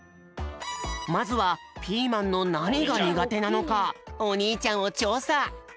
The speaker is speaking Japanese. まずはピーマンのなにがにがてなのかおにいちゃんをちょうさ。